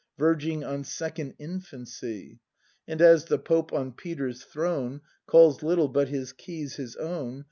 Verging on second infancy. And as the Pope on Peter's throne Calls little but his keys his own.